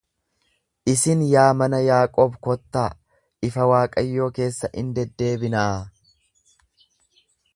Isin yaa mana Yaaqoob kottaa, ifa Waaqayyoo keessa in deddeebinaa!